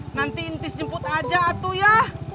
nanti intis jemput aja atu ya